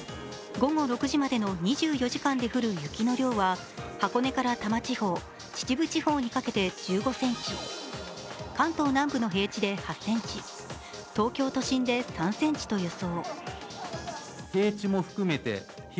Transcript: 午後６時までの２４時間で降る雪の量は箱根から多摩地方、秩父地方にかけて１５ｃｍ、関東南部の平地で８ｃｍ、東京都心で３ｃｍと予想。